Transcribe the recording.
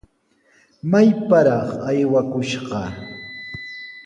¡Mayparaq aywakushqa!